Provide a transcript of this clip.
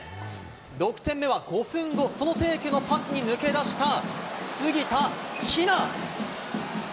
６点目は５分後、その清家のパスに抜け出した杉田妃和。